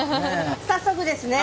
早速ですね